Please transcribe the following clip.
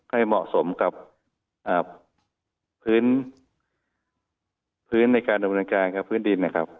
ให้เหมาะสมกับพื้นพื้นในการดำเนินการครับพื้นดินนะครับ